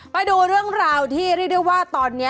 ไปดูเรื่องราวที่เรียกได้ว่าตอนนี้